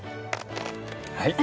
はい。